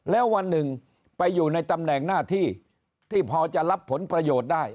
แล้ววันหนึ่งไปอยู่ในตำแหน่งหน้าที่ที่พอจะรับผลประโยชน์ได้